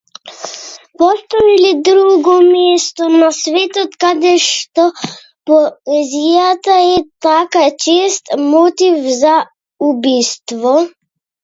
Постои ли друго место на светот кадешто поезијата е така чест мотив за убиство?